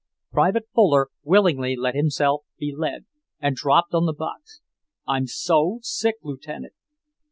Private Fuller willingly let himself be led, and dropped on the box. "I'm so sick, Lieutenant!"